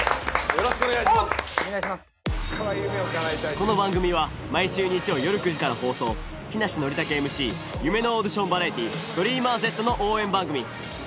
この番組は毎週日曜日よる９時から放送木梨憲武ＭＣ『夢のオーディションバラエティーＤｒｅａｍｅｒＺ』の応援番組。